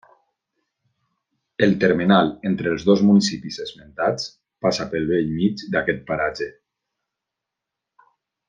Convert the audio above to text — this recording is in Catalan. El termenal entre els dos municipis esmentats passa pel bell mig d'aquest paratge.